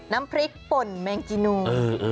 น้ำพริกป่นแมงจีนู